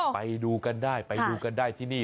ไปดูกันได้ไปดูกันได้ที่นี่